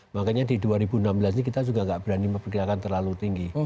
makanya di dua ribu enam belas ini kita juga tidak berani memperkirakan terlalu tinggi